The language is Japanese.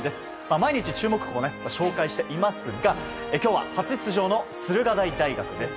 毎日、注目校を紹介していますが今日は、初出場の駿河台大学です。